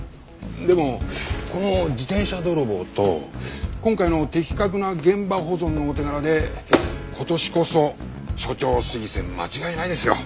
でもこの自転車泥棒と今回の的確な現場保存のお手柄で今年こそ署長推薦間違いないですよ。